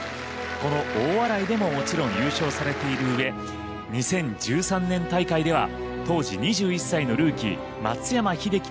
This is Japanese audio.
この大洗でももちろん優勝されているうえ２０１３年大会では当時２１歳のルーキー松山英樹